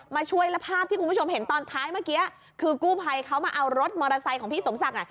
ช่วยแล้วภาพที่คุณผู้ชมเห็นตอนท้ายเมื่อกี้คือกู้ภัยเขามาเอารถมอเตอร์ไซค์ของพี่สมศักดิ์